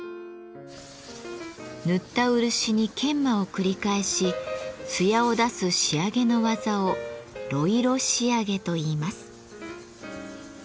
塗った漆に研磨を繰り返し艶を出す仕上げの技を「呂色仕上げ」といいます。